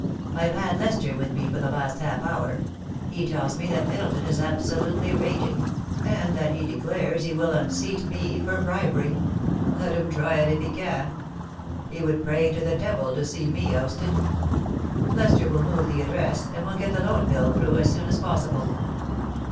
* I have had Lester with me for the last half hour. He tells me that Middleton is absolutely raging, and that he declares he will unseat me for bribery. Let him try it if he can. He would pray to the devil to see me ousted Lester will move the address, and we'll get the Loan Bill through as soon as possible.